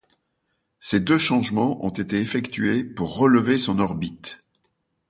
Ces deux changements ont été effectués pour relever son orbite.